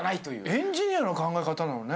エンジニアの考え方なのね。